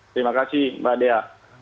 terima kasih mbak dea